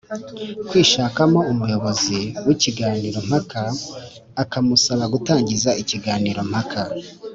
kwishakamo umuyobozi w’ikiganiro mpaka akamusaba gutangiza ikiganiro mpaka